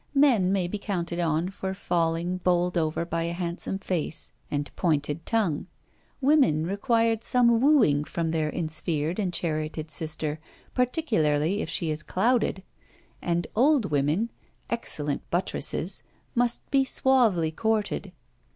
Men may be counted on for falling bowled over by a handsome face and pointed tongue; women require some wooing from their ensphered and charioted sister, particularly if she is clouded; and old women excellent buttresses must be suavely courted.